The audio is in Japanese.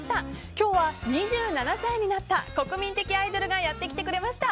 今日は２７歳になった国民的アイドルがやってきてくれました。